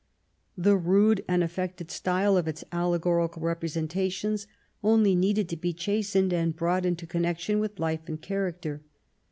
The rude and affected style of its allegorical representations only needed to be chastened and brought into connection with life and character.